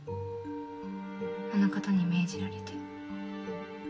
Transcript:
あの方に命じられて